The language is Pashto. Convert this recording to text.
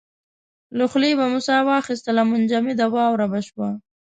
له خولې به مو ساه واېستله منجمده واوره به شوه.